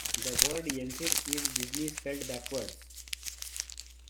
The word "Yensid" is "Disney" spelled backwards.